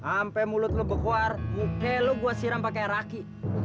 ampe mulut lo bekuar muka lo gue siram pake raki